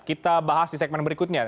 kita bahas di segmen berikutnya